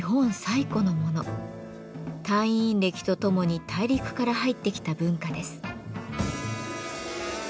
太陰暦とともに大陸から入ってきた文化です。